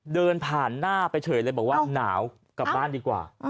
เดินผ่านหน้าไปเฉยเลยบอกว่าหนาวกลับบ้านดีกว่า